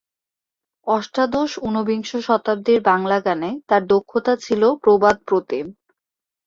অষ্টাদশ-ঊনবিংশ শতাব্দীর বাংলা গানে তার দক্ষতা ছিল প্রবাদপ্রতিম।